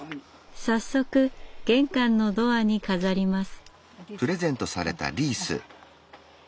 早速玄関のドアに飾ります。